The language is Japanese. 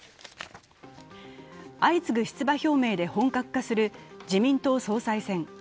相次ぐ出馬表明で本格化する自民党総裁選。